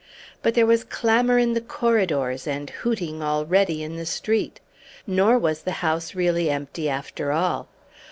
But there was clamor in the corridors, and hooting already in the street. Nor was the house really empty after all.